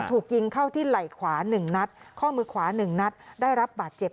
ถูกยิงเข้าที่ไหล่ขวา๑นัดข้อมือขวา๑นัดได้รับบาดเจ็บ